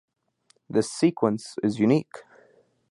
This sequence is unique.